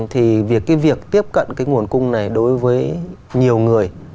thì việc tiếp cận cái nguồn cung này đối với nhiều người